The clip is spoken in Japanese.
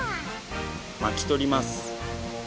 巻き取ります。